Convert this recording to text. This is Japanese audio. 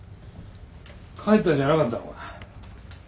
帰ったんじゃなかったのか？